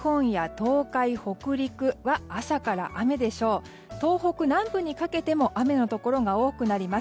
東北南部にかけても雨のところが多くなります。